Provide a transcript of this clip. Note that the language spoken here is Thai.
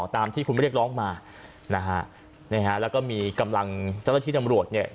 ตามที่คุณเรียกร้องมานะฮะนะฮะแล้วก็มีกำลังจัดละทิตย์ทำรวจเนี้ย